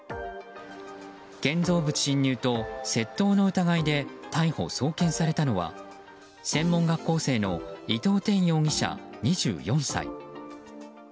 建造物侵入と窃盗の疑いで逮捕・送検されたのは専門学校生の伊藤天容疑者、２４歳。